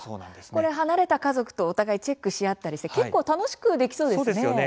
これ離れた家族とお互いチェックし合ったりして結構楽しくやれそうですよね。